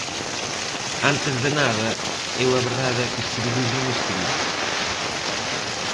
Antes de nada, eu a verdade é que escribir non escribo.